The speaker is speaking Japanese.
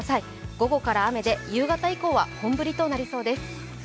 午後から雨で夕方以降は本降りとなりそうです。